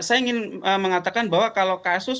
saya ingin mengatakan bahwa kalau kasus